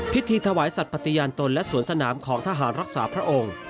พิธีถวายสัตว์ปฏิญาณตนและสวนสนามของทหารรักษาพระองค์